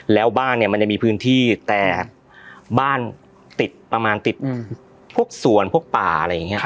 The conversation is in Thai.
แล้วบ้านเนี่ยมันจะมีพื้นที่แต่บ้านติดประมาณติดพวกสวนพวกป่าอะไรอย่างนี้